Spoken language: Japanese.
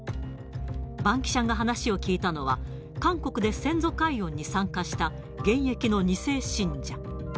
バンキシャが話を聞いたのは、韓国で先祖解怨に参加した現役の２世信者。